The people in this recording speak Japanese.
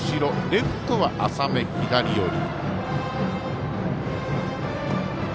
レフトは浅め、左寄り。